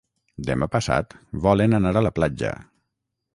Demà passat volen anar a la platja.